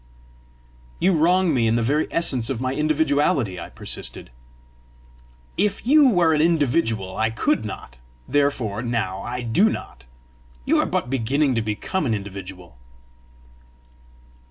"You wrong me in the very essence of my individuality!" I persisted. "If you were an individual I could not, therefore now I do not. You are but beginning to become an individual."